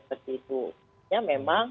seperti itu ya memang